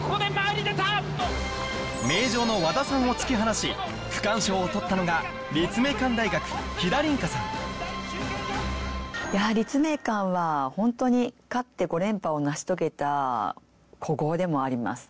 名城の和田さんを突き放し区間賞を取ったのが立命館はホントにかつて５連覇を成し遂げた古豪でもあります。